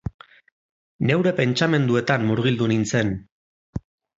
Neure pentsamenduetan murgildu nintzen.